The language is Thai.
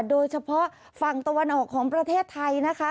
โดยเฉพาะฝั่งตะวันออกของประเทศไทยนะคะ